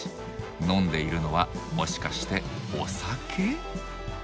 飲んでいるのはもしかしてお酒？